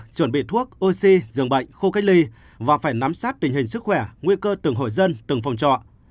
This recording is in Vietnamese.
chuẩn bị thuốc oxy giường bệnh khu cách ly và phải nắm sát tình hình sức khỏe nguy cơ từng hội dân từng phòng trọ